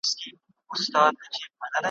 خدای مو ړانده که دا جهالت دی,